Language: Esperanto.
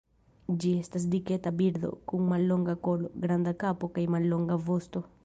Ĝi estas diketa birdo, kun mallonga kolo, granda kapo kaj mallonga vosto.